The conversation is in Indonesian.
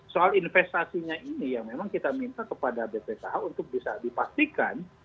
soal investasinya ini yang memang kita minta kepada bpkh untuk bisa dipastikan